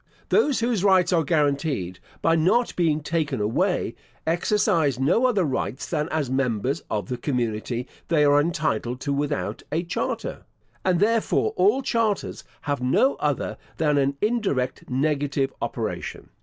Those whose rights are guaranteed, by not being taken away, exercise no other rights than as members of the community they are entitled to without a charter; and, therefore, all charters have no other than an indirect negative operation.